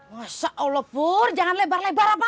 masa allah pur jangan lebar lebar apa